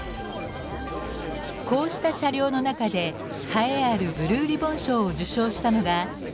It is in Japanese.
こうした車両の中で栄えあるブルーリボン賞を受賞したのが。